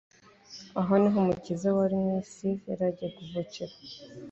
aho ni ho umukiza w'abari mu isi yari agiye kuvukira.